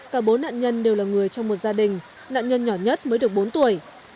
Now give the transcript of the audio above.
cả bốn nạn nhân đều là người trong một gia đình nạn nhân nhỏ nhất mới được bốn tuổi